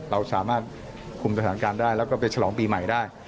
เราสามารถคุมสถานการณ์ได้แล้วก็ไปฉลองปีใหม่ได้